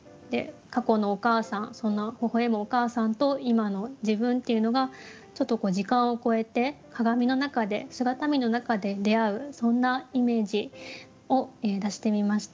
過去のお母さんそんな微笑むお母さんと今の自分っていうのがちょっと時間を超えて鏡の中で姿見の中で出会うそんなイメージを出してみました。